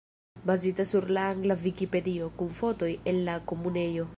Bazita sur la angla Vikipedio, kun fotoj el la Komunejo.